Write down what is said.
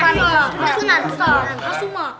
mas sunan mas sunan